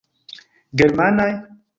Germanaj?